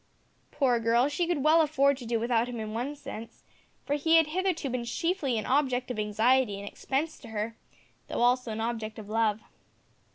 Poor girl, she could well afford to do without him in one sense, for he had hitherto been chiefly an object of anxiety and expense to her, though also an object of love.